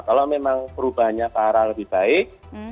kalau memang perubahannya para lebih baik